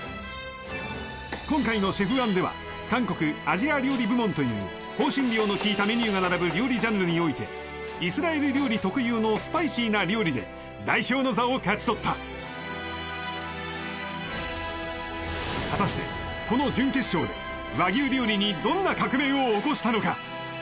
今回のＣＨＥＦ−１では韓国・ア香辛料の利いたメニューが並ぶ料理ジャンルにおいてイスラエル料理特有のスパイシーな料理で代表の座を勝ち取った果たしてこの準決勝で和牛料理にどんな革命を起こしたのか？